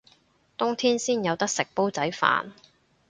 冬天先有得食煲仔飯